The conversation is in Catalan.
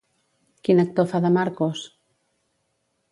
Quin actor fa de Marcos?